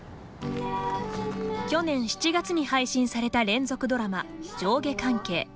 去年７月に配信された連続ドラマ「上下関係」。